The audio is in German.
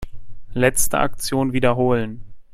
Letzte Aktion wiederholen.